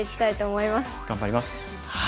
頑張ります。